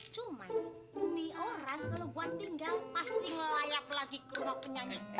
cuman nih orang kalo gua tinggal pasti ngelayap lagi ke rumah penyanyi